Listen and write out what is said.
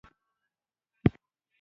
نورو پر ضد کار واخلي